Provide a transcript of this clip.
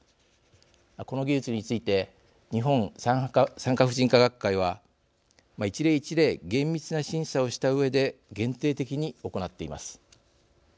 この技術について日本産科婦人科学会では１例１例厳密な審査をしたうえで限定的に行っています。